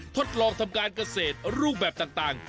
ทดลองทำการเกษตรรูปแบบต่าง